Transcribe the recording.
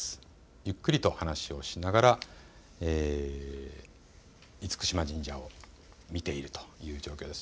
ゆっくりと話をしながら厳島神社を見ているという状況です。